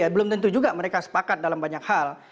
belum tentu juga mereka sepakat dalam banyak hal